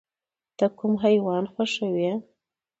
ته کوم حیوان خوښوې؟